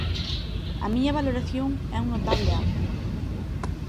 A miña valoración é un notable alto.